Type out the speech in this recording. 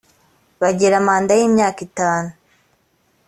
bagira manda y imyaka itanu